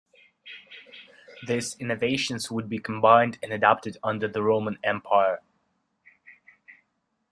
These innovations would be combined and adopted under the Roman empire.